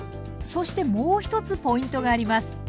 そしてもう一つポイントがあります。